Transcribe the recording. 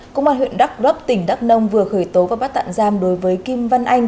công an huyện đắk rấp tỉnh đắk nông vừa khởi tố và bắt tạm giam đối với kim văn anh